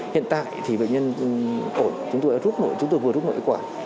hiện tại thì bệnh nhân ổn chúng tôi vừa rút nội quả